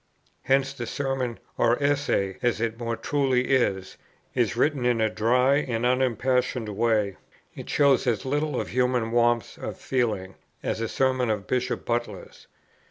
Hence the Sermon, or Essay as it more truly is, is written in a dry and unimpassioned way: it shows as little of human warmth of feeling as a Sermon of Bishop Butler's.